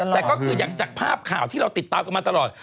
แต่ก็คืออย่างจากภาพข่าวที่เราติดตามกันมาตลอด